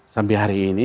sampai hari ini